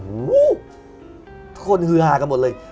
ทุกคนฮือหากันหมดเลย